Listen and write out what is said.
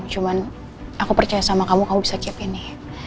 cuman aku percaya sama kamu kamu bisa cheap ini